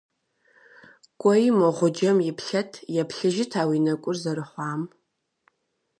КӀуэи мо гъуджэм иплъэт, еплъыжыт а уи нэкӀур зэрыхъуам.